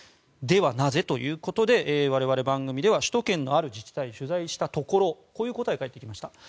では、なぜということで我々番組では首都圏のある自治体を取材したところこういうことが返ってきました。